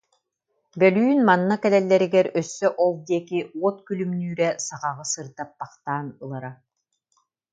Бөлүүн манна кэлэллэригэр өссө ол диэки уот күлүмнүүрэ саҕаҕы сырдаппахтаан ылара